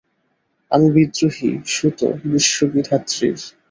আমি বিদ্রোহী-সুত বিশ্ব-বিধাতৃর।